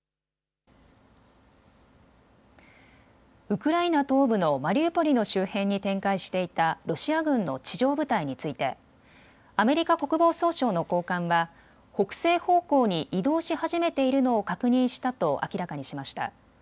ウクライナ東部のマリウポリの周辺に展開していたロシア軍の地上部隊についてアメリカ国防総省の高官は北西方向に移動し始めているのを確認したと明らかにしました。